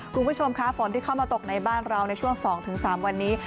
คุณผู้ชมค่ะฝนที่เข้ามาตกในบ้านเราในช่วง๒๓วันนี้